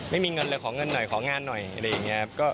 ไม่มีเงินเลยขอเงินหน่อยของานหน่อยอะไรอย่างนี้ครับ